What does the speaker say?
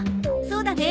そうだね。